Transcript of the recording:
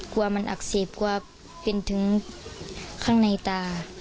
กลัวมันอักเสบกลัวเป็นถึงข้างในตา